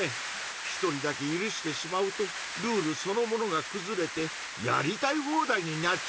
一人だけ許してしまうとルールそのものがくずれてやりたい放題になっちゃいそうだよね。